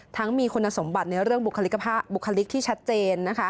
ทั้งมีคุณสมบัติในเรื่องบุคลิกที่ชัดเจน